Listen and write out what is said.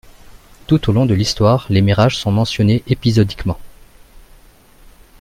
Tout au long de l'histoire les mirages sont mentionnés épisodiquement.